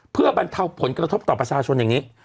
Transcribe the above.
เพื่อบรรเทาผลกระทบต่อประชาชนอย่างนี้